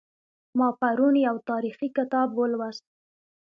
ما پرون یو تاریخي کتاب ولوست